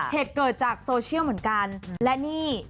เหตุเกิดจากโซเชียลเหมือนกันและนี่